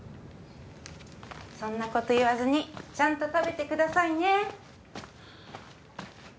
そんな事言わずにちゃんと食べてくださいね。